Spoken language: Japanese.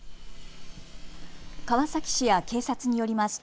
川崎市や警察によります